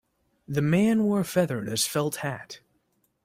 The man wore a feather in his felt hat.